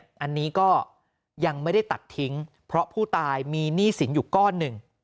อันนี้ก็ยังไม่ได้ตัดทิ้งเพราะผู้ตายมีหนี้สินอยู่ก้อนหนึ่ง